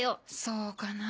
そうかな。